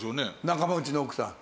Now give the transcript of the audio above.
仲間内の奥さん。